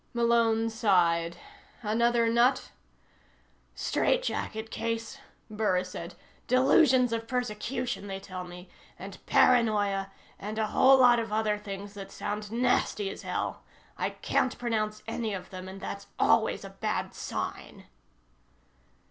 Malone sighed. "Another nut?" "Strait jacket case," Burris said. "Delusions of persecution, they tell me, and paranoia, and a whole lot of other things that sound nasty as hell. I can't pronounce any of them, and that's always a bad sign."